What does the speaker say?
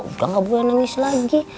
bukan gak boleh nangis lagi